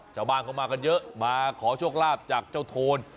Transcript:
ชาวบ้านเข้ามากันเยอะมาขอโชคลาภจากเจ้าโทน